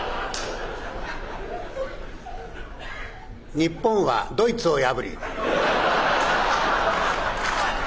「日本はドイツを破り」。